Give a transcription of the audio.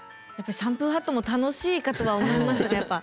シャンプーハットも楽しいかとは思いますがやっぱ。